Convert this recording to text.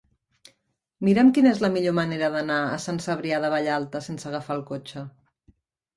Mira'm quina és la millor manera d'anar a Sant Cebrià de Vallalta sense agafar el cotxe.